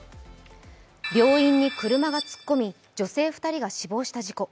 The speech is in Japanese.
病院に車が突っ込み、女性２人が死亡した事故。